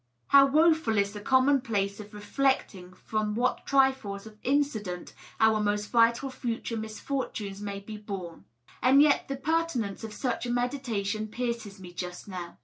How woful is the com monplace of reflecting from what trifles of incident our most vital future misfortunes may be born ! And yet the pertinence of such a meditation pierces me just now.